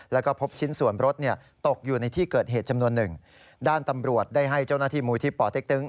แล้วก็พบชิ้นส่วนรถเนี่ยตกอยู่ในที่เกิดเหตุจำนวนหนึ่งด้านตำรวจได้ให้เจ้าหน้าที่มูลที่ป่อเต็กตึง